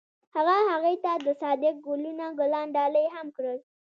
هغه هغې ته د صادق ګلونه ګلان ډالۍ هم کړل.